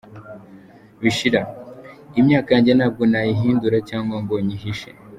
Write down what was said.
Bishira: Imyaka yanjye ntabwo nayihindura cyangwa ngo nyihishe.